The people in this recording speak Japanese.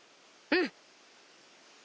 うん！